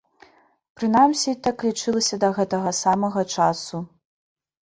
Прынамсі, так лічылася да гэтага самага часу.